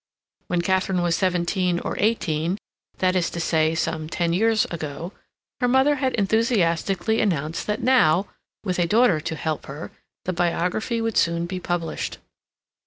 When Katharine was seventeen or eighteen—that is to say, some ten years ago—her mother had enthusiastically announced that now, with a daughter to help her, the biography would soon be published.